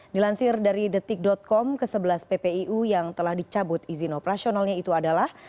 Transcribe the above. dilansir dari detik com ke sebelas ppuu yang telah dicabut izin operasionalnya itu adalah